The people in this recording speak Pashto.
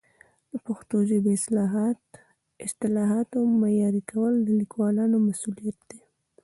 د پښتو ژبې د اصطلاحاتو معیاري کول د لیکوالانو مسؤلیت دی.